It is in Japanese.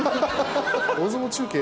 大相撲中継